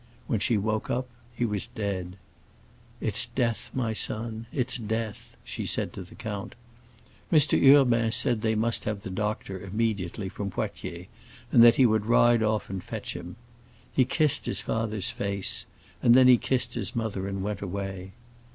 When she woke up he was dead. 'It's death, my son, it's death,' she said to the count. Mr. Urbain said they must have the doctor, immediately, from Poitiers, and that he would ride off and fetch him. He kissed his father's face, and then he kissed his mother and went away.